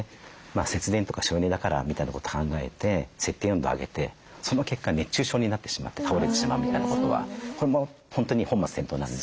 節電とか省エネだからみたいなこと考えて設定温度を上げてその結果熱中症になってしまって倒れてしまうみたいなことはこれも本当に本末転倒なので。